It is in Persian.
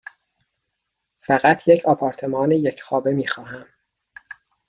فقط یک آپارتمان یک خوابه می خواهم.